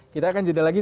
kita akan jeda lagi